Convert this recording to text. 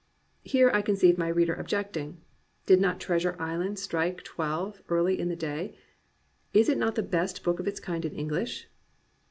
Here I conceive my reader objecting: Did not Treasure Island strike twelve early in the day? Is it not the best book of its kind in English